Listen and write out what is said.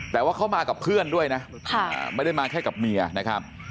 แต่ว่าเขามากับเพื่อนด้วยนะไม่ได้มาแค่กับเมียนะครับ